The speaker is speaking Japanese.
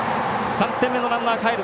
３点目のランナーがかえる。